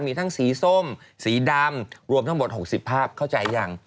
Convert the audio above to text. มีทั้งสีส้มสีดำรวมทั้งหมด๖๐ภาพเข้าใจยัง